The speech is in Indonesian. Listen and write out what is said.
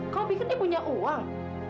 kamu pikir dia punya uang